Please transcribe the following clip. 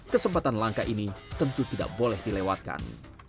kesempatan langka ini tentu tidak boleh dilewatkan